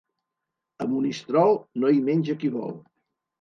A Monistrol, no hi menja qui vol.